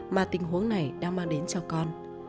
mà tình huống này đang mang đến cho con